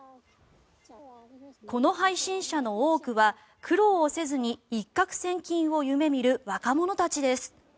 この配信者の多くは苦労をせずに一獲千金を夢見る若者たちです。